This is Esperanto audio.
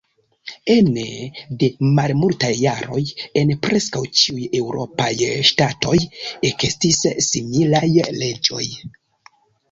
Ene de malmultaj jaroj en preskaŭ ĉiuj eŭropaj ŝtatoj ekestis similaj leĝoj.